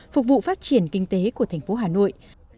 phục vụ phát triển kinh tế của thành phố hà nội